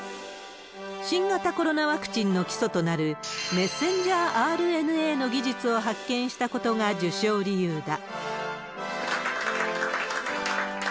新型コロナワクチンの基礎となる、メッセンジャーＲＮＡの技術を発見したことが受賞理由だ。